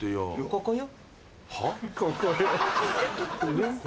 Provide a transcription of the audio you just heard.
ここよ！